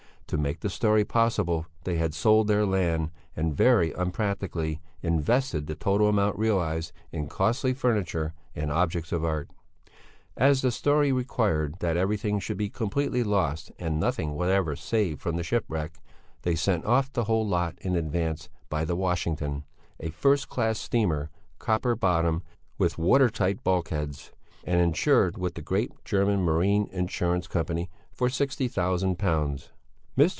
To make the story possible, they had sold their land, and, very unpractically, invested the total amount realized in costly furniture and objects of art. As the story required that everything should be completely lost and nothing whatever saved from the shipwreck, they sent off the whole lot in advance by the Washington, a first class steamer, copper bottomed, with watertight bulkheads, and insured with the great German Marine Insurance Company for £60,000. Mr.